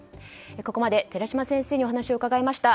ここまで寺嶋先生にお話を伺いました。